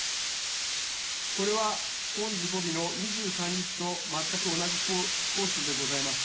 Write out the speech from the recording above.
これは本事故日の２３日と全く同じコースでございます。